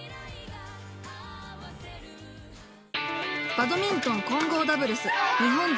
バドミントン混合ダブルス日本勢